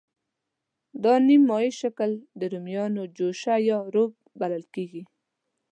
دا نیم مایع شکل د رومیانو جوشه یا روب بلل کېږي.